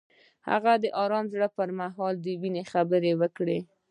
هغه د آرام زړه پر مهال د مینې خبرې وکړې.